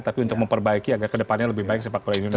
tapi untuk memperbaiki agar kedepannya lebih baik sepak bola indonesia